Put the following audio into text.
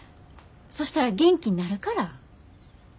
そしたら元気になるから。